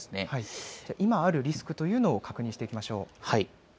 今あるリスクというのを確認していきましょう。